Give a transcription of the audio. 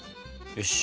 よし。